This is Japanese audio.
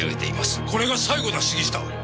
これが最後だ杉下。